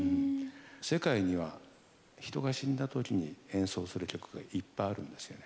世界には人が死んだ時に演奏する曲がいっぱいあるんですよね。